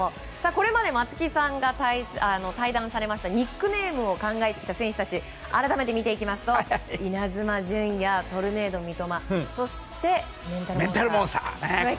これまで松木さんが対談されましたニックネームを考えてきた選手たち改めて見ていきますとイナズマ純也トルネード三笘そしてメンタルモンスター。